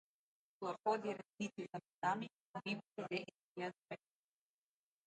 Kdor hodi resnici za petami, mu mimogrede izbije zobe.